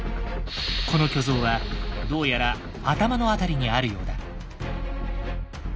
この巨像はどうやら頭の辺りにあるようだ。